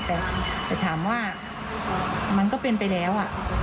แต่ถามว่ามันก็เป็นไปแล้ว